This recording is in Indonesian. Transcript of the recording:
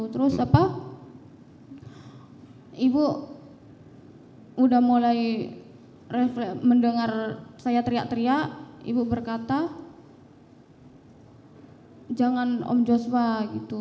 terus apa ibu udah mulai mendengar saya teriak teriak ibu berkata jangan om joshua gitu